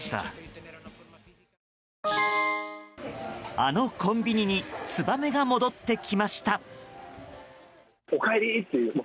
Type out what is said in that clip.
あのコンビニにツバメが戻ってきました。